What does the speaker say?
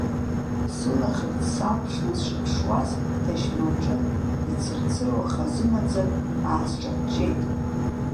Сылаӷырӡ салԥшны сшыԥшуаз, адашьмаҿы ицырцыруа хазынаӡак аасҿаҷҷеит.